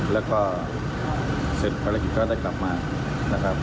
แล้วก็เสร็จภารกิจก็ได้กลับมานะครับ